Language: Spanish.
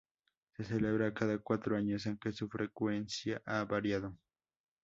Se celebra cada cuatro años, aunque su frecuencia ha variado.